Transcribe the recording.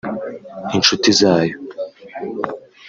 inshuti zayo